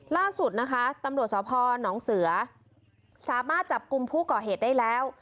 ล่าสุดนะคะตำรวจสพนเสือสามารถจับกลุ่มผู้ก่อเหตุได้แล้ว